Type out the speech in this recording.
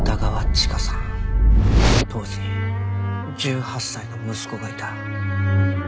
当時１８歳の息子がいた。